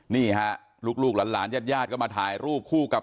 นี่ฮะลูกหลานญาติญาติก็มาถ่ายรูปคู่กับ